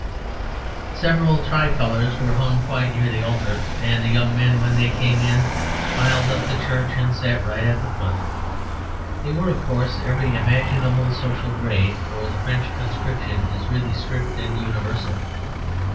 Several tricolours were hung quite near to the altar, and the young men, when they came in, filed up the church and sat right at the front. They were, of course, of every imaginable social grade; for the French conscription is really strict and universal.